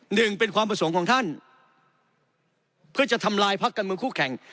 หนึ่งเป็นความประสงค์ของท่านเพื่อจะทำลายพักการเมืองคู่แข่ง